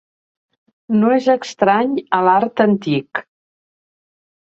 No és estrany a l'art antic.